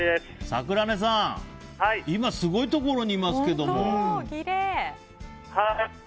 桜根さん、今すごいところにいますけど。